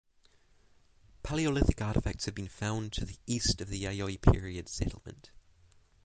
Paleolithic artifacts have been found to the east of the Yayoi period settlement.